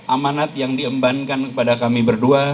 amanat yang diembankan kepada kami berdua